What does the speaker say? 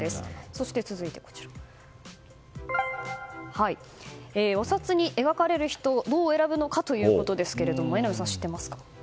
そして続いて、お札に描かれてる人をどう選ぶのかということですが榎並さん、知ってますか？